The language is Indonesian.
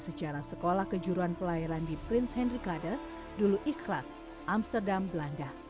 secara sekolah kejuruan pelayaran di prins henrykade dulu ikhlaq amsterdam belanda